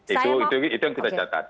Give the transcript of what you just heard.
itu yang kita catat